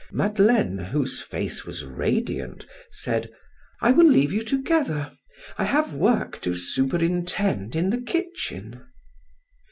Madeleine, whose face was radiant, said: "I will leave you together. I have work to superintend in the kitchen."